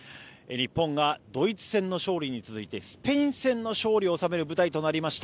日本がドイツ戦の勝利に続いてスペイン戦の勝利を収める舞台となりました